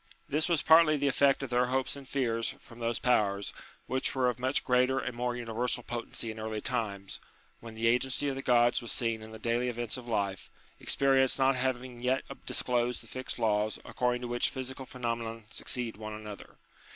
This was partly the effect of their hopes UTILITY OF RELIGION 97 and fears from those powers, which were of much greater and more universal potency in early times, when the agency of the Gods was seen in the .daily events of life, experience not having yet disclosed the fixed laws according to which physical phenomena succeed one another.